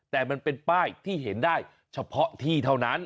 แต่มันเป็นป้ายที่เห็นได้เฉพาะที่เท่านั้น